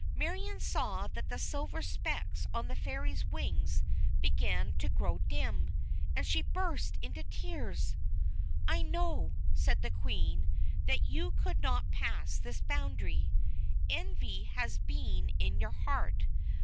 Marion saw that the silver specks on the Fairies' wings began to grow dim, and she burst into tears. "I knew," said the Queen, "that you could not pass this boundary. Envy has been in your heart.